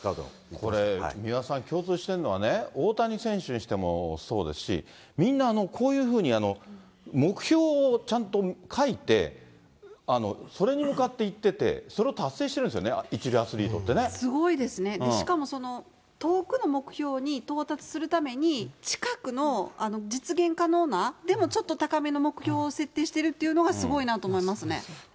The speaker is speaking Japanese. これ、三輪さん、共通しているのはね、大谷選手にしてもそうですし、みんなこういうふうに目標をちゃんと書いて、それに向かっていってて、それを達成してるんですよね、すごいですね、しかもその遠くの目標に到達するために、近くの実現可能な、でもちょっと高めの目標を設定しているっていうのが、すごいなと思いますね。